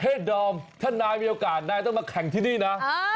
ดอมถ้านายมีโอกาสนายต้องมาแข่งที่นี่นะ